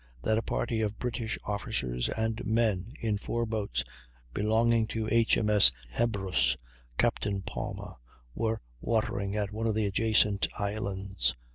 that a party of British officers and men, in four boats belonging to H.M.S. Hebrus, Capt. Palmer, were watering at one of the adjacent islands.